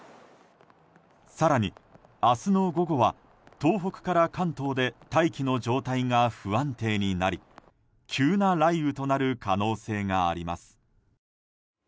更に、明日の午後は東北から関東で大気の状態が不安定になり急な雷雨となる可能性があります。